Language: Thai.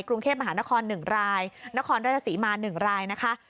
กรุงเทพมหานคร๑รายนครราชศรีมา๑รายนะคะ